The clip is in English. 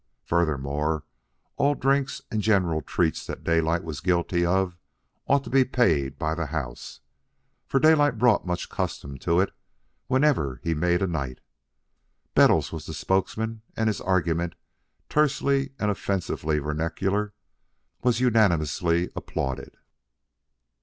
Furthermore, all drinks and general treats that Daylight was guilty of ought to be paid by the house, for Daylight brought much custom to it whenever he made a night. Bettles was the spokesman, and his argument, tersely and offensively vernacular, was unanimously applauded.